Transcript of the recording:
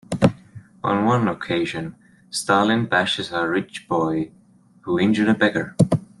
On one occasion, Stalin bashes a rich boy, who injured a beggar.